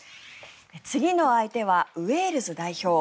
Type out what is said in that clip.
次の相手はウェールズ代表。